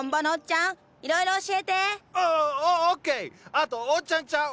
あとおっちゃんチャウ。